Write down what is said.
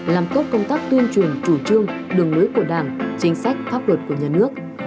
làm cốt công tác tuyên truyền chủ trương đường lưới của đảng chính sách pháp luật của nhà nước